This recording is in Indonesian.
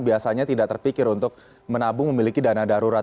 biasanya tidak terpikir untuk menabung memiliki dana darurat